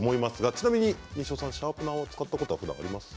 ちなみに、シャープナー使ったことありますか？